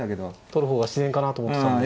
取る方が自然かなと思ってたんで。